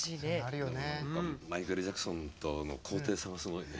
マイケル・ジャクソンとの高低差がすごいね。